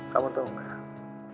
kamu tahu nggak